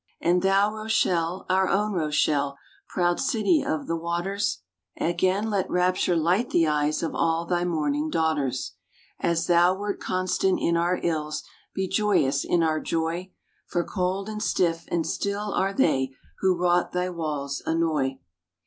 And thou, Rochelle, our own Rochelle, proud city of the waters, Again let rapture light the eyes of all thy mourning daughters. As thou wert constant in our ills, be joyous in our joy; For cold, and stiff, and still are they who wrought thy walls annoy.